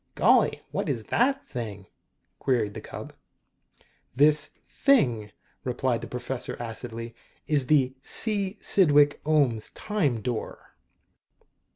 "Golly, what's that thing?" queried the cub. "This thing," replied the professor acidly, " is the C. Cydwick Ohms Time Door."